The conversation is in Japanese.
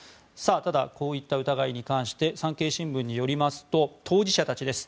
ただ、こういった疑いに関して産経新聞によりますと当事者たちです。